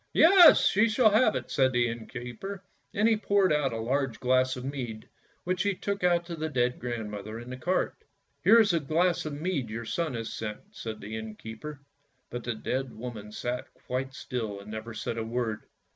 ' Yes, she shall have it! " said the innkeeper, and he poured out a large glass of mead which he took out to the dead grand mother in the cart. " Here is a glass of mead your son has sent! " said the inn keeper, but the dead woman sat quite still and never said a word.